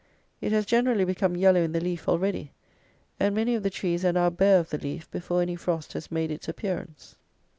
It has generally become yellow in the leaf already; and many of the trees are now bare of leaf before any frost has made its appearance.